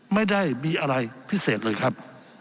ไม่ได้มีอะไรพิเศษเลยครับ